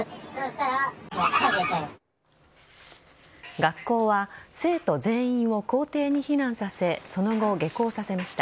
学校は生徒全員を校庭に避難させその後、下校させました。